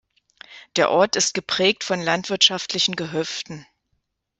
Der Ort ist geprägt von landwirtschaftlichen Gehöften.